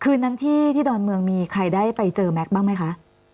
คืนนั้นที่ดอนเมืองมีใครได้ไปเจอแม็กซ์บ้างไหมคะ